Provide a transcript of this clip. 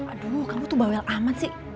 aduh kamu tuh bawel amat sih